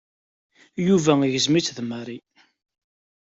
Yuba igzem-itt d Mary.